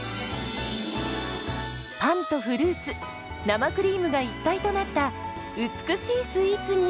パンとフルーツ生クリームが一体となった美しいスイーツに。